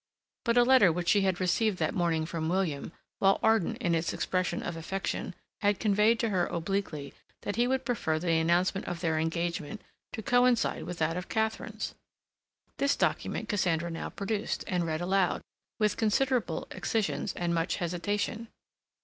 But a letter which she had received that morning from William, while ardent in its expression of affection, had conveyed to her obliquely that he would prefer the announcement of their engagement to coincide with that of Katharine's. This document Cassandra now produced, and read aloud, with considerable excisions and much hesitation.